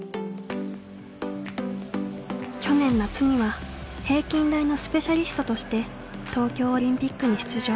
去年夏には平均台のスペシャリストとして東京オリンピックに出場。